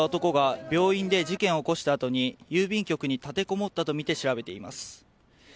警察は男が病院で事件を起こした後に郵便局に立てこもったとみて調べています。